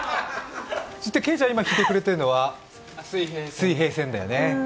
けいちゃんが弾いてくれてるのは「水平線」だよね？